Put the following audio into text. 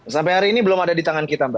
sampai hari ini belum ada di tangan kita mbak